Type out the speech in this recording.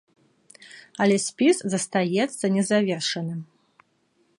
Але спіс застаецца незавершаным!